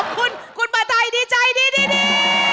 ขอบคุณคุณปะไตดีใจดีดีดี